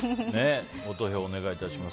ご投票をお願いします。